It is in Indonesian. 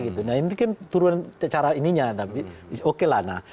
ini kan turun cara ininya